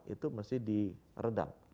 itu mesti di redam